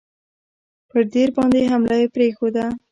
پر دیر باندي حمله یې پرېښوده.